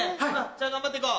じゃあ頑張って行こう。